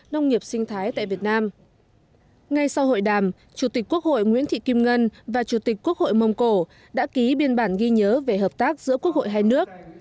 ngay sau hội đàm chủ tịch quốc hội nguyễn thị kim ngân và chủ tịch quốc hội mông cổ đã ký biên bản ghi nhớ về hợp tác giữa quốc hội hai nước